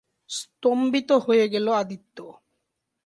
স্তম্ভিত হয়ে গেল আদিত্য।